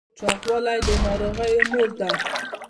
چاغوالی د ناروغیو مور ده